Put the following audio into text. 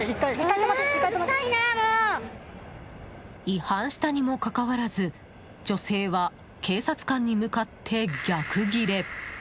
違反したにもかかわらず女性は警察官に向かって逆ギレ。